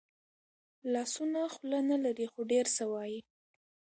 لاسونه خوله نه لري خو ډېر څه وايي